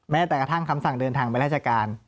แม้แต่กระทั่งคำสั่งเดินทางไปราชการ